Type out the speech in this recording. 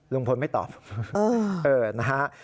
ลุงพลไม่ตอบนะฮะ